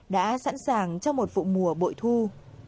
đã sẵn sàng cho một vụ mùa bội chín